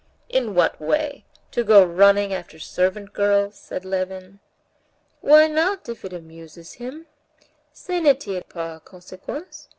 "In what way? To go running after servant girls?" said Levin. "Why not, if it amuses him? Ça ne tire pas à conséquence.